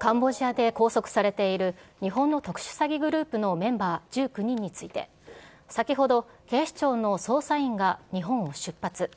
カンボジアで拘束されている日本の特殊詐欺グループのメンバー１９人について、先ほど警視庁の捜査員が日本を出発。